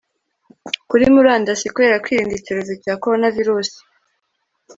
kuri murandasi kubera kwirinda icyorezo cya coronavirus